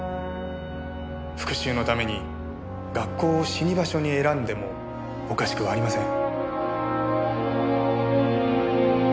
復讐のために学校を死に場所に選んでもおかしくはありません。